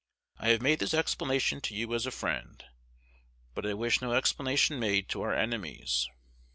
I have made this explanation to you as a friend; but I wish no explanation made to our enemies.